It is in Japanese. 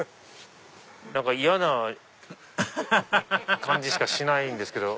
嫌な感じしかしないんですけど。